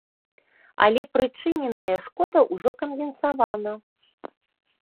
Але прычыненая шкода ўжо кампенсавана.